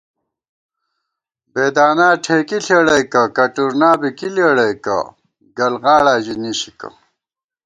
بېدانا ٹھېکی ݪېڑَئیکہ، کٹُورنا بی کی لېڑَئیکہ گلغاڑا ژی نِشِکہ